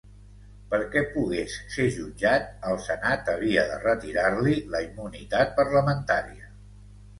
Perquè pogués ser jutjat, el senat havia de retirar-li la immunitat parlamentària.